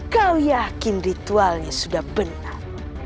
kau yakin ritualnya sudah benar